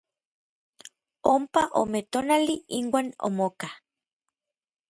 Ompa ome tonali inuan omokaj.